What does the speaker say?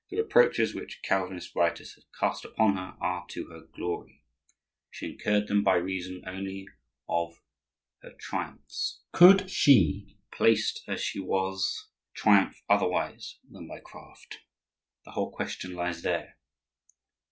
The reproaches which Calvinist writers have cast upon her are to her glory; she incurred them by reason only of her triumphs. Could she, placed as she was, triumph otherwise than by craft? The whole question lies there.